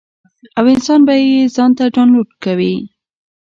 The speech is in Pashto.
او انسان به ئې ځان ته ډاونلوډ کوي -